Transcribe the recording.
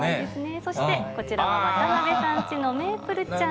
そしてこちらは渡辺さんちのめーぷるちゃん。